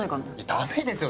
ダメですよ